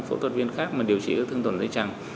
phẫu thuật viên khác mà điều trị ước thương tổn dây chằng